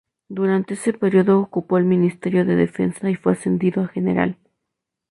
Durante ese período ocupó el Ministerio de Defensa y fue ascendido a General.